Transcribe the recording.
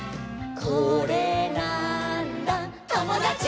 「これなーんだ『ともだち！』」